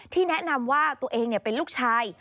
แนะนำว่าตัวเองเป็นลูกชาย